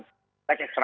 extraordinary gitu ya